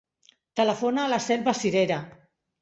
Telefona a la Selva Sirera.